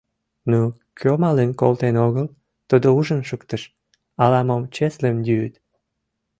Но кӧ мален колтен огыл, тудо ужын шуктыш: ала-мом чеслым йӱыт.